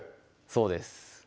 そうです